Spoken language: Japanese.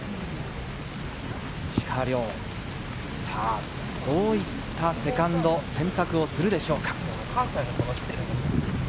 石川遼、さぁ、どういったセカンド、選択をするでしょうか。